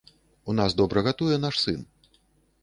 У нас добра гатуе наш сын.